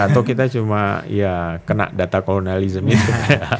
atau kita cuma ya kena data coronalism itu